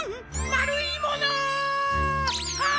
まるいもの！